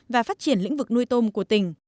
và phát triển lĩnh vực nuôi tôm của tỉnh